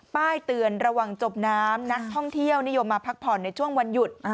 ป้ายเตือนระหว่างจบน้ำนักท่องเที่ยวนิยมมาพักผ่อนในช่วงวันหยุด